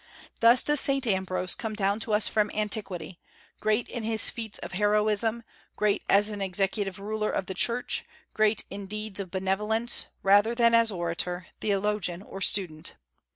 Thus does Saint Ambrose come down to us from antiquity, great in his feats of heroism, great as an executive ruler of the Church, great in deeds of benevolence, rather than as orator, theologian, or student.